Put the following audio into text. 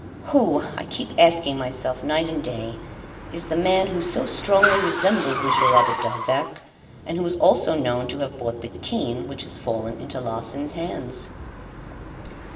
Who, I keep asking myself night and day, is the man who so strongly resembles Monsieur Robert Darzac, and who is also known to have bought the cane which has fallen into Larsan's hands?